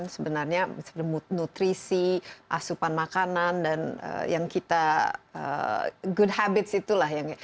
sebenarnya nutrisi asupan makanan dan yang kita good habits itulah yang